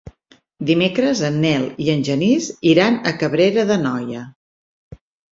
Dimecres en Nel i en Genís iran a Cabrera d'Anoia.